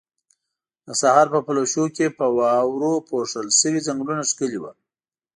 د سحر په پلوشو کې په واورو پوښل شوي ځنګلونه ښکلي وو.